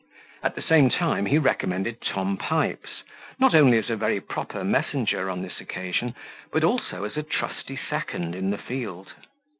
At the same time, he recommended Tom Pipes, not only as a very proper messenger on this occasion, but also as a trusty second in the field.